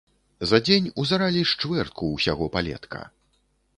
За дзень узаралі з чвэртку ўсяго палетка.